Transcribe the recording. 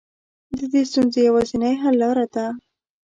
د دې ستونزې يوازنۍ حل لاره ده.